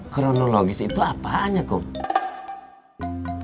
kronologis itu apaan ya kang